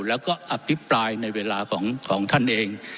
แล้วก็อภิปรายในเวลาของท่านเอง